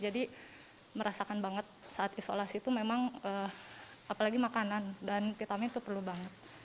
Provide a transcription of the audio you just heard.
jadi merasakan banget saat isolasi itu memang apalagi makanan dan vitamin itu perlu banget